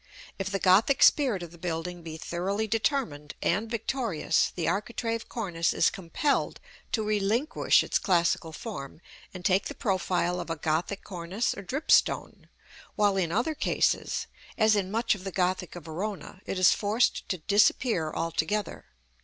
If the Gothic spirit of the building be thoroughly determined, and victorious, the architrave cornice is compelled to relinquish its classical form, and take the profile of a Gothic cornice or dripstone; while, in other cases, as in much of the Gothic of Verona, it is forced to disappear altogether.